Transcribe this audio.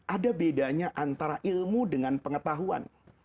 ada bedanya antara ilmu dengan pengetahuan